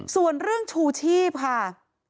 ส่วนเรื่องชูชีพค่ะ